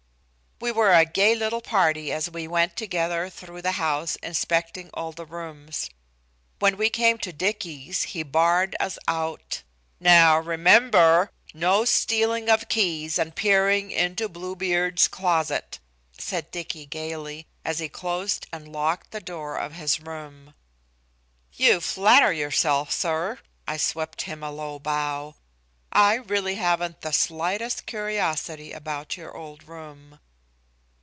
We were a gay little party as we went together through the house inspecting all the rooms. When we came to Dicky's, he barred us out. "Now, remember, no stealing of keys and peering into Bluebeard's closet," said Dicky gayly, as he closed and locked the door of his room. "You flatter yourself, sir." I swept him a low bow. "I really haven't the slightest curiosity about your old room."